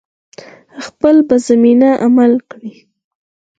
خپل په ژمنه عمل وکړه